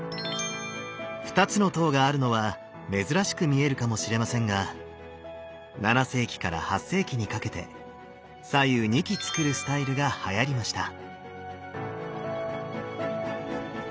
２つの塔があるのは珍しくみえるかもしれませんが７世紀から８世紀にかけて左右２基造るスタイルがはやりました。